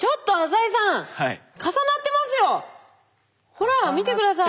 ほら見て下さい。